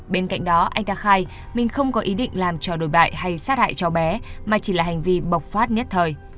bên cạnh đó anh ta khai mình không có ý định làm cho đổi bại hay sát hại cho bé mà chỉ là hành vi bộc phát nhất thời